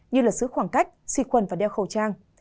như lật sứ khoảng cách xuyên quần và đeo khẩu trang